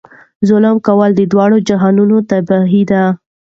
ظلم کول د دواړو جهانونو تباهي ده.